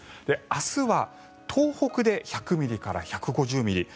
明日は東北で１００ミリから１５０ミリ。